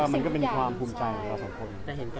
มันก็เป็นความภูมิใจของเราสองคน